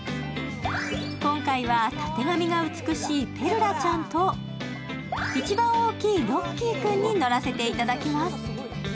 今回はたてがみが美しいペルラちゃんと一番大きいロッキー君に乗らせていただきます。